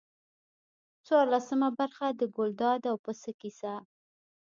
څوارلسمه برخه د ګلداد او پسه کیسه.